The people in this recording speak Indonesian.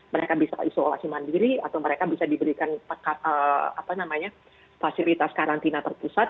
mereka bisa isolasi mandiri atau mereka bisa diberikan fasilitas karantina terpusat